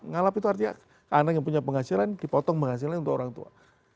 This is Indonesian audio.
ngalap itu artinya anak yang punya penghasilan dipotong penghasilnya untuk orang tua